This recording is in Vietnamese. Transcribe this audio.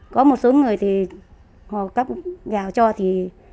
có một số người thì họ cắp gạo cho thì